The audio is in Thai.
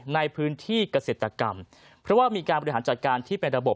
ในพื้นที่เกษตรกรรมเพราะว่ามีการบริหารจัดการที่เป็นระบบ